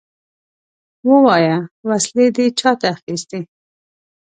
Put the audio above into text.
ووايه! وسلې دې چاته اخيستې؟